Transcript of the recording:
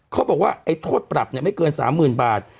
เขาบอกว่าไอ้โทษปรับเนี่ยไม่เกิน๓หมื่นบาท